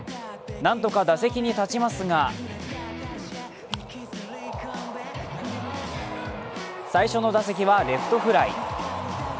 なんとか打席に立ちますが最初の打席はレフトフライ。